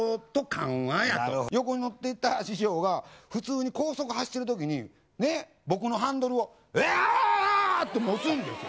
横に乗ってたら師匠が、普通に高速乗ってるときに、ね、僕のハンドルをうわーって持つんですよ。